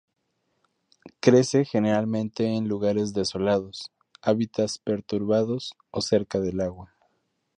Crece generalmente en lugares desolados, hábitats perturbados, o cerca del agua.